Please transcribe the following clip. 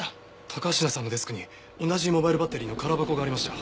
高階さんのデスクに同じモバイルバッテリーの空箱がありました。